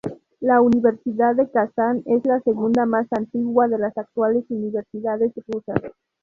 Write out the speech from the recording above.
La Universidad de Kazán es la segunda más antigua de las actuales universidades rusas.